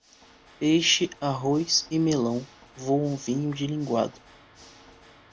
Peixe, arroz e melão voam vinho de linguado.